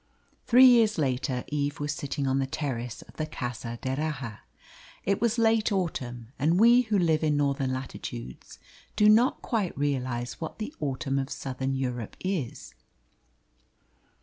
Three years later Eve was sitting on the terrace of the Casa d'Erraha. It was late autumn, and we who live in Northern latitudes do not quite realise what the autumn of Southern Europe is.